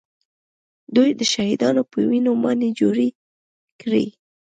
دوی د شهیدانو په وینو ماڼۍ جوړې کړې